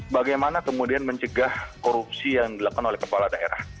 bagaimana kemudian mencegah korupsi yang dilakukan oleh kepala daerah